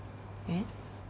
えっ？